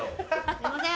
すいません。